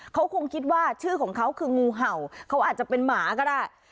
เขาคงคิดว่าชื่อของเขาคืองูเห่าเขาอาจจะเป็นหมาก็ได้